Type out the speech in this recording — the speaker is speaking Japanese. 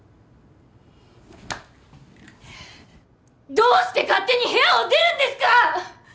どうして勝手に部屋を出るんですか！